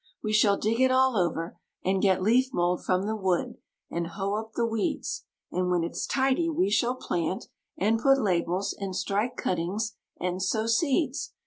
We shall dig it all over, and get leaf mould from the wood, and hoe up the weeds, And when it's tidy we shall plant, and put labels, and strike cuttings, and sow seeds.